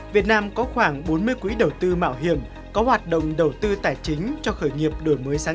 xin chào quý vị khán giả